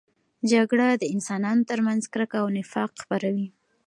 جګړه د انسانانو ترمنځ کرکه او نفاق خپروي.